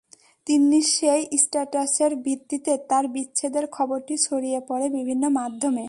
তিন্নির সেই স্ট্যাটাসের ভিত্তিতে তাঁর বিচ্ছেদের খবরটি ছড়িয়ে পড়ে বিভিন্ন মাধ্যমে।